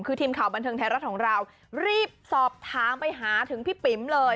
คือทีมข่าวบันเทิงไทยรัฐของเรารีบสอบถามไปหาถึงพี่ปิ๋มเลย